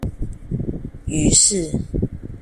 於是